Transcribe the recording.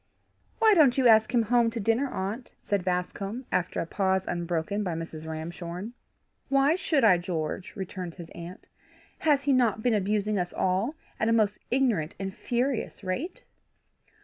"Why don't you ask him home to dinner, aunt?" said Bascombe, after a pause unbroken by Mrs. Ramshorn. "Why should I, George?" returned his aunt. "Has he not been abusing us all at a most ignorant and furious rate?"